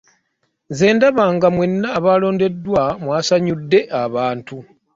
Nze ndaba nga mwenna abalondeddwa mwasanyudde abantu.